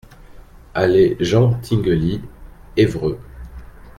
Allée Jean Tinguely, Évreux